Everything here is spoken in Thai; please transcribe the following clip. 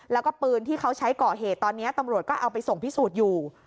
แล้วก็ปืนที่เขาใช้ก่อเหตุตอนนี้ตำรวจก็เอาไปส่งพิสูจน์อยู่